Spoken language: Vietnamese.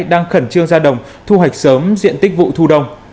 đang khẩn trương ra đồng thu hoạch sớm diện tích vụ thu đông